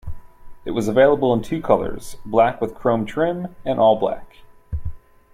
It was available in two colors: black with chrome trim and all black.